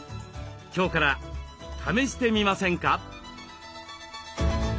今日から試してみませんか？